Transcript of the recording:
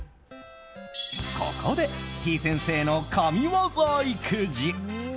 ここで、てぃ先生の神ワザ育児。